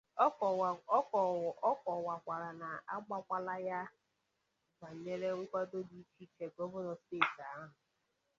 Ọ kọwakwara na a gwakwala ya banyere nkwàdo dị icheiche Gọvanọ steeti ahụ